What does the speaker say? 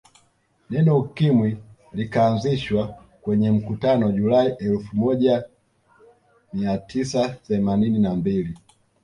Neno Ukimwi likaanzishwa kwenye mkutano Julai elfu moja ia tisa themanini na mbili